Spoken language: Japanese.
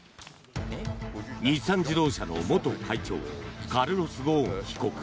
日産自動車の元会長カルロス・ゴーン被告。